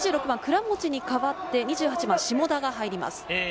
２６番・倉持に代わって、２８番・下田が入ります。